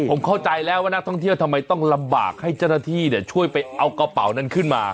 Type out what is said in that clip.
ผมเข้าใจแล้วว่านักท่องเที่ยวทำไมต้องลำบากให้เจ้าหน้าที่ช่วยไปเอากระเป๋านั้นขึ้นมา